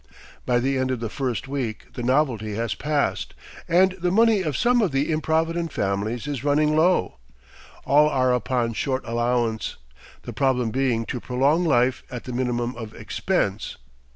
By the end of the first week the novelty has passed, and the money of some of the improvident families is running low. All are upon short allowance, the problem being to prolong life at the minimum of expense.